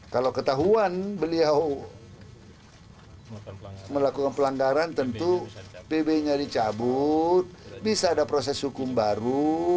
kalau ketahuan beliau melakukan pelanggaran tentu pb nya dicabut bisa ada proses hukum baru